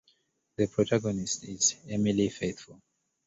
The protagonist is Emily Faithfull.